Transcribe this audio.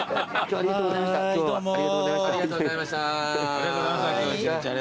ありがとうございました今日一日。